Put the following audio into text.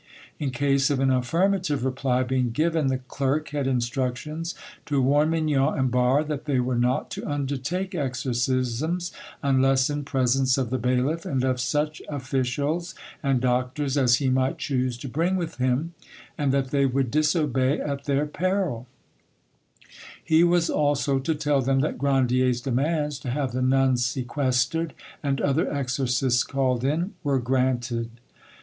In case of an affirmative reply being given, the clerk had instructions to warn Mignon and Barre that they were not to undertake exorcisms unless in presence of the bailiff and of such officials and doctors as he might choose to bring with him, and that they would disobey at their peril; he was also to tell them that Grandier's demands to have the nuns sequestered and other exorcists called in were granted.